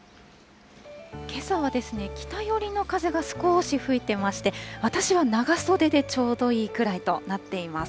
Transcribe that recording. けさは北寄りの風が少し吹いてまして、私は長袖でちょうどいいくらいとなっています。